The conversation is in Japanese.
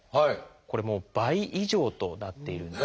これもう倍以上となっているんです。